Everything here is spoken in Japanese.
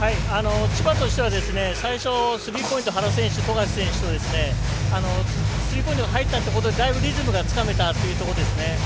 千葉としては最初スリーポイント原選手、富樫選手とスリーポイントが入ったということでだいぶリズムがつかめたというところですね。